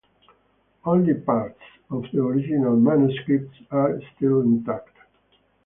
Only parts of the original manuscript are still intact.